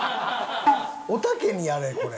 おたけにやれこれ。